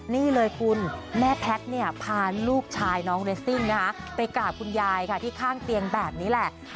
นี่เลยคุณแม่แพทย์เนี่ยพาลูกชายน้องเรสซิ่งนะคะไปกราบคุณยายค่ะที่ข้างเตียงแบบนี้แหละ